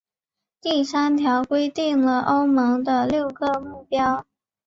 第三条则规定了欧盟的六个目标。